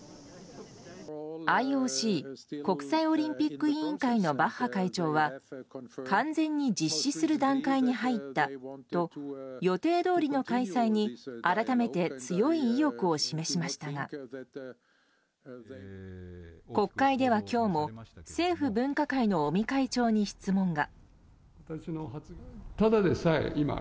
ＩＯＣ・国際オリンピック委員会のバッハ会長は完全に実施する段階に入ったと予定どおりの開催に、改めて強い意欲を示しましたが国会では今日も政府分科会の尾身会長に質問が。